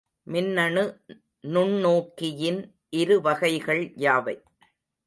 மின்னணு நுண்ணோக்கியின் இரு வகைகள் யாவை?